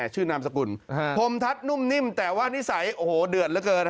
ชื่อนามสกุลพรมทัศน์นุ่มนิ่มแต่ว่านิสัยโอ้โหเดือดเหลือเกิน